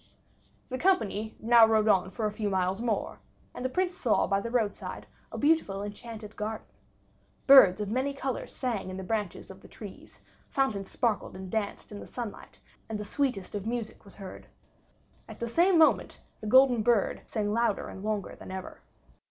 The company now rode on for a few miles more, and the Prince saw by the roadside a beautiful enchanted garden. Birds of many colors sang in the branches of the trees, fountains sparkled and danced in the sunlight, and the sweetest of music was heard. At the same moment the golden bird sang louder and longer than ever.